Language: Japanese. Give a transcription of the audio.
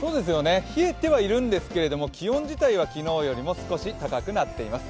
冷えてはいるんですけど、気温自体は昨日よりも高くなっています。